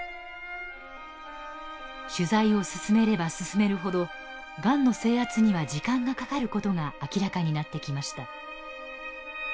取材を進めれば進めるほどがんの征圧には時間がかかることが明らかになってきました。